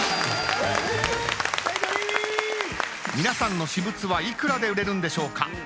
皆さんの私物はいくらで売れるんでしょうか。